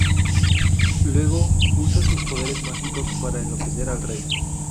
Luego usa sus poderes mágicos para enloquecer al rey.